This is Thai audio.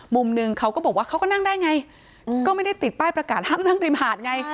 มุมหนึ่งเขาก็บอกว่าเขาก็นั่งได้ไงก็ไม่ได้ติดป้ายประกาศห้ามนั่งริมหาดไง